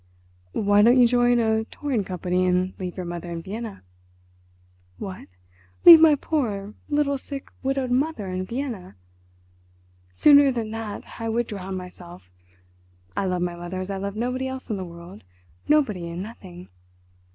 "Why don't you join a touring company and leave your mother in Vienna?" "What! Leave my poor, little, sick, widowed mother in Vienna! Sooner than that I would drown myself. I love my mother as I love nobody else in the world—nobody and nothing!